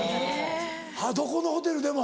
あっどこのホテルでも。